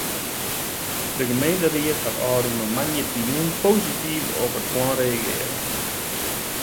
De gemeenteried hat ôfrûne moandeitejûn posityf op it plan reagearre.